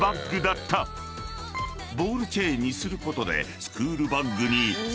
［ボールチェーンにすることで］